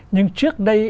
nhưng trước đây